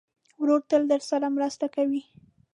ورور تل درسره مرسته کوي.